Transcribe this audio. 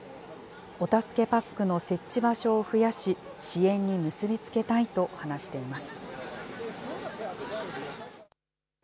お助けパックの設置場所を増やし、支援に結び付けたいと話しています。